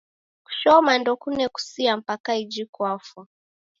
Kushoma ndokune kusia mpaka iji kwafa